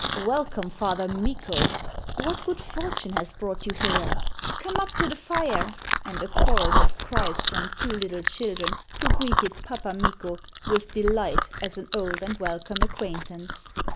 'Welcome, Father Mikko!' 'What good fortune has brought you hither?' 'Come up to the fire,' and a chorus of cries from two little children, who greeted 'Pappa Mikko' with delight as an old and welcome acquaintance.